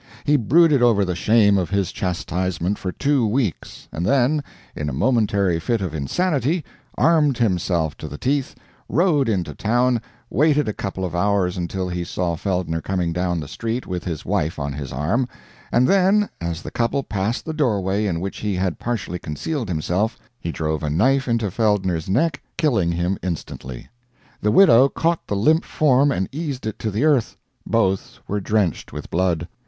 He brooded over the shame of his chastisement for two weeks, and then, in a momentary fit of insanity, armed himself to the teeth, rode into town, waited a couple of hours until he saw Feldner coming down the street with his wife on his arm, and then, as the couple passed the doorway in which he had partially concealed himself, he drove a knife into Feldner's neck, killing him instantly. The widow caught the limp form and eased it to the earth. Both were drenched with blood.